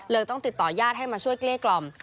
ต้องติดต่อญาติให้มาช่วยเกลี้ยกล่อม